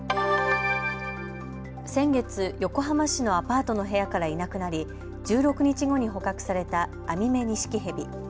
先月、横浜市のアパートの部屋からいなくなり１６日後に捕獲されたアミメニシキヘビ。